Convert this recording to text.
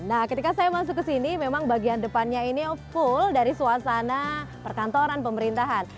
nah ketika saya masuk ke sini memang bagian depannya ini full dari suasana perkantoran pemerintahan